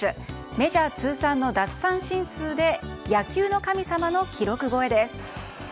メジャー通算の奪三振数で野球の神様の記録超えです。